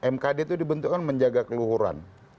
mkd itu dibentukkan menjaga keluhuran